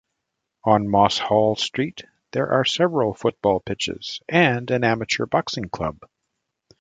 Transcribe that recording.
On Mosshall Street, there are several football pitches and an amateur boxing club.